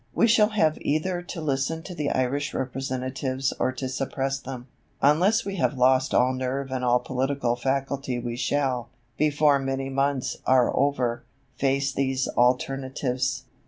We shall have either to listen to the Irish representatives or to suppress them. Unless we have lost all nerve and all political faculty we shall, before many months are over, face these alternatives.